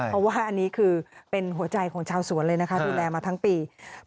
เพราะว่าอันนี้คือเป็นหัวใจของชาวสวนเลยนะคะดูแลมาทั้งปี